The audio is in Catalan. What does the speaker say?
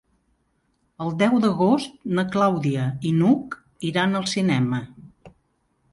El deu d'agost na Clàudia i n'Hug iran al cinema.